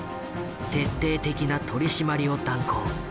徹底的な取締りを断行。